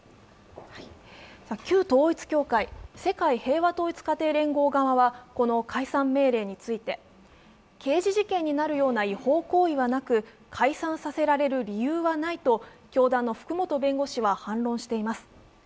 旧統一教会、世界平和統一家庭連合側はこの解散命令について刑事事件になるような違法行為はなく、解散させられる理由はないと教団の福本弁護士は反論しています。